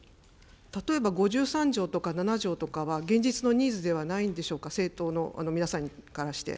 例えば５３条とか７条とかは現実のニーズではないんでしょうか、政党の皆さんからして。